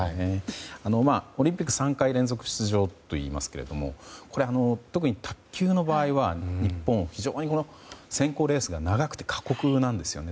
オリンピック３回連続出場といいますがこれ特に卓球の場合は日本、非常に選考レースが長くて過酷なんですよね。